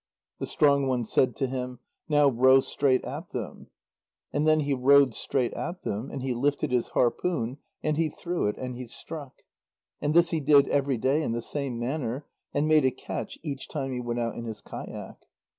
The strong one said to him: "Now row straight at them." And then he rowed straight at them, and he lifted his harpoon and he threw it and he struck. And this he did every day in the same manner, and made a catch each time he went out in his kayak.